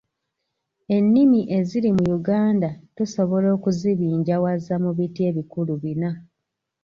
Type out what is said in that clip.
Ennimi eziri mu Uganda tusobola okuzibinjawaza mu biti ebikulu bina.